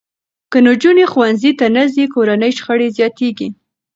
که نجونې ښوونځي ته نه ځي، کورني شخړې زیاتېږي.